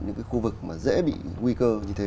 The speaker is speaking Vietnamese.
những cái khu vực mà dễ bị nguy cơ như thế